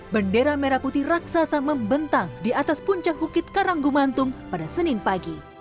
bendera merah putih raksasa membentang di atas puncak bukit karanggumantung pada senin pagi